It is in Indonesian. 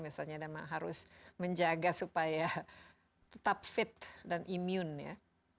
misalnya harus menjaga supaya tetap fit dan imun ya